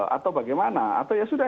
atau bagaimana atau ya sudah